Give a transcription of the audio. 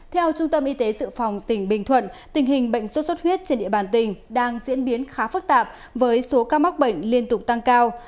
theo trung tâm y tế sự phòng tỉnh bình thuận tình hình bệnh sốt xuất huyết trên địa bàn tỉnh đang diễn biến khá phức tạp với số ca mắc bệnh liên tục tăng cao